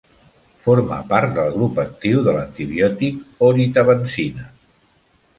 Forma part del grup actiu de l'antibiòtic oritavancina.